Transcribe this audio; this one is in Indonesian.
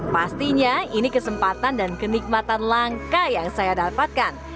pastinya ini kesempatan dan kenikmatan langka yang saya dapatkan